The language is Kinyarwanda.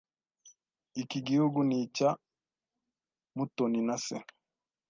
Iki gihugu ni icya Mutoni na se .